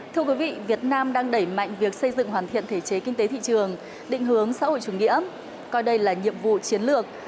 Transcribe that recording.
thưa quý vị việt nam đang đẩy mạnh việc xây dựng hoàn thiện thể chế kinh tế thị trường định hướng xã hội chủ nghĩa coi đây là nhiệm vụ chiến lược